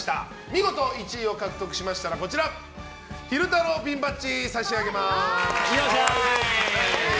見事１位を獲得されましたら昼太郎ピンバッジを差し上げます。